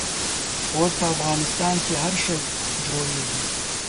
اوس په افغانستان کښې هر شی جوړېږي.